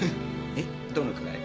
えっどのくらい？